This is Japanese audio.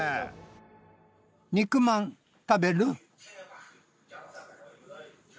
肉まん食べる？